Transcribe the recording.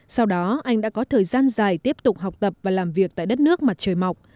sau đó anh đã có thời gian dài tiếp tục học tập và làm việc tại đất nước mặt trời mọc